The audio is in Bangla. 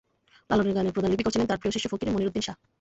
লালনের গানের প্রধান লিপিকর ছিলেন তাঁর প্রিয় শিষ্য ফকির মনিরুদ্দীন শাহ।